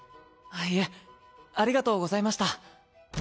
あっいえありがとうございました。